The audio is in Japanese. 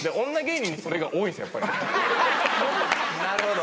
なるほど。